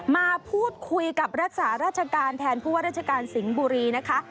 มาพูดคุยกับรักษาราชการแทนผู้ว่าราชการสิงห์บุรีนะคะ